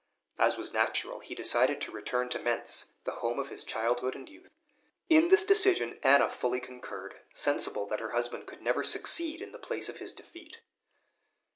As was natural, he decided to return to Mentz, the home of his childhood and youth. In this decision Anna fully concurred, sensible that her husband could never succeed in the place of his defeat.